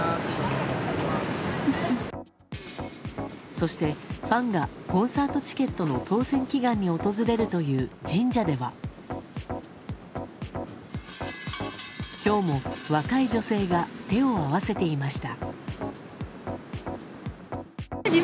そして、ファンがコンサートチケットの当選祈願に訪れるという神社では今日も若い女性が手を合わせていました。